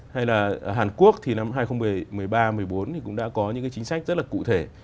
hay là hàn quốc thì năm hai nghìn một mươi ba một mươi bốn thì cũng đã có những cái chính sách rất là cụ thể